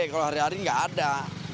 kalau hari hari nggak ada